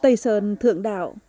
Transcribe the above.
tây sơn thượng đạo